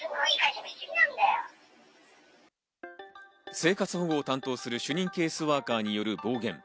生活保護を担当する主任ケースワーカーによる暴言。